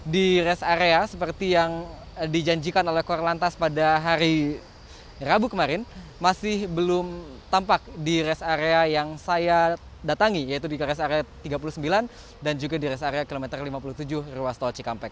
di rest area seperti yang dijanjikan oleh korlantas pada hari rabu kemarin masih belum tampak di rest area yang saya datangi yaitu di rest area tiga puluh sembilan dan juga di rest area kilometer lima puluh tujuh ruas tol cikampek